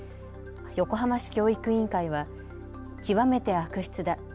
横浜市教育委員会は極めて悪質だ。